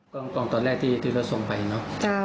เกราะหลังตอนแรกที่เราส่งไปเนาะ